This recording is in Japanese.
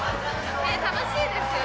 楽しいですよ。